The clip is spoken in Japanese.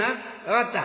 分かった。